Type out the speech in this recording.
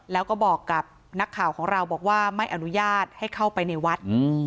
แล้วก็บอกกับนักข่าวของเราบอกว่าไม่อนุญาตให้เข้าไปในวัด